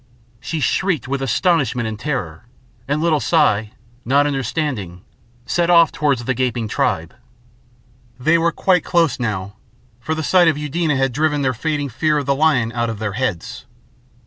She shrieked with astonishment and terror, and little Si, not understanding, set off towards the gaping tribe. They were quite close now, for the sight of Eudena had driven their fading fear of the lion out of their heads.